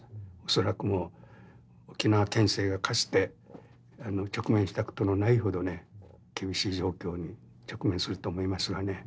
恐らくもう沖縄県政がかつて直面したことのないほど厳しい状況に直面すると思いますがね